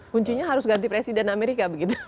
kuncinya harus ganti presiden amerika begitu